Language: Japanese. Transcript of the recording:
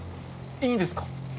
いいんですか？